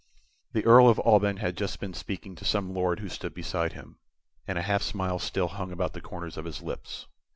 The Earl of Alban had just been speaking to some Lord who stood beside him, and a half smile still hung about the corners of his lips.